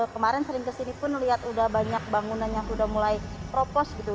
kemarin sering kesini pun lihat udah banyak bangunan yang sudah mulai propos gitu